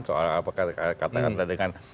soal apa kata kata dengan